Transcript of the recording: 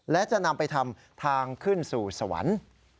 และจะนำไปทำทางขึ้นสู่สวรรค์